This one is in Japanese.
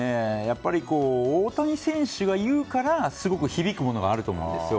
大谷選手が言うからすごく響くものがあると思うんですよ。